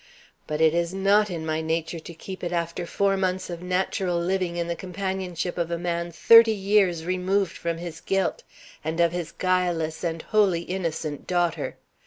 But it is not in my nature to keep it after four months of natural living in the companionship of a man thirty years removed from his guilt, and of his guileless and wholly innocent daughter.